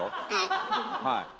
はい。